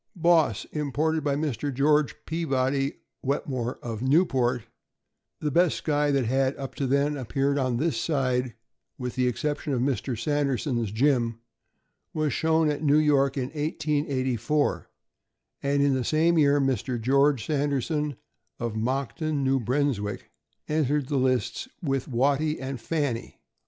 Boss, imported by Mr. George Peabody Wetmore, of Newport, the best Skye that had, up to then, appeared on this side, with the exception of Mr. Sanderson's Jim, was shown at New York in 1884, and in the same year, Mr. George Sanderson, of Moncton, New Brunswick, entered the lists with Watty and Fanny.